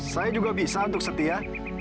saya juga bisa untuk setia